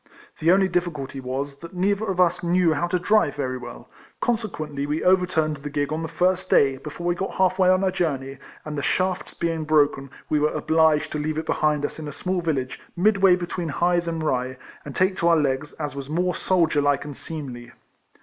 The only difficulty was , that neither of us knew how to drive very well, consequently we overturned the gig on the first day, before we got half way on our journey, and the shafts being broken we were obliged to leave it behind us in a small village, midway between Hythe and Rye, and take to our legs, as was more soldierlike and seemly.